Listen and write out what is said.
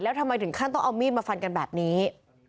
แล้วทำไมถึงขั้นต้องเอามีดมาฟันกันแบบนี้